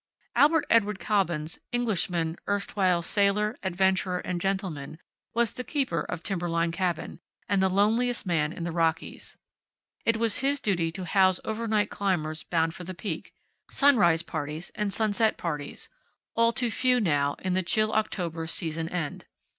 Albert Edward Cobbins, Englishman, erstwhile sailor, adventurer and gentleman, was the keeper of Timberline Cabin, and the loneliest man in the Rockies. It was his duty to house overnight climbers bound for the Peak, sunrise parties and sunset parties, all too few now in the chill October season end.